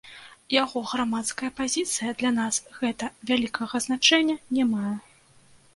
Яго грамадская пазіцыя для нас гэта вялікага значэння не мае.